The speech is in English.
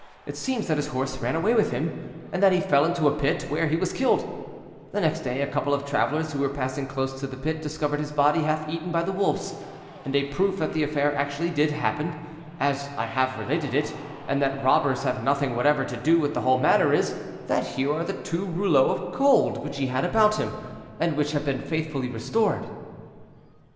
It seems that his horse ran away with him, and that he fell into a pit, where he was killed; the next day a couple of travelers who were passing close to the pit discovered his body half eaten by the wolves; and a proof that the affair actually did happen, as I have related it, and that robbers have nothing whatever to do with the whole matter is, that here are two rouleaux of gold which he had about him, and which have been faithfully restored.'